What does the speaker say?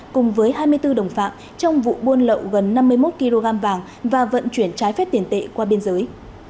cùng với hai mươi bốn đồng phạm trong vụ buôn lậu gần năm mươi một kg vàng và vận chuyển trái phép tiền tệ qua biên giới